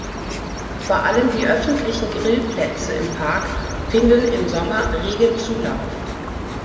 Vor allem die öffentlichen Grillplätze im Park finden im Sommer regen Zulauf.